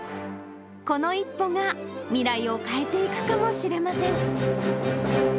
この一歩が未来を変えていくかもしれません。